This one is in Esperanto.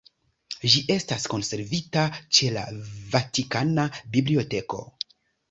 Ĝi estas konservita ĉe la Vatikana Biblioteko.